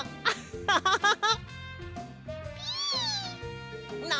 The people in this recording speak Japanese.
ハハハハ。